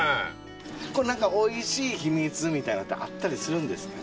これおいしい秘密みたいのってあったりするんですかね？